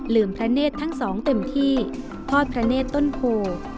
ลื่มพระเนตทั้งสองเต็มที่พลล์พระเนตต้นโภ